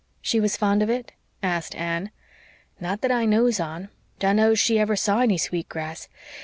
"She was fond of it?" asked Anne. "Not that I knows on. Dunno's she ever saw any sweet grass.